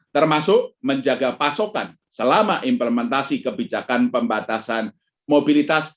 termasuk menjaga pasokan selama implementasi kebijakan pembatasan mobilitas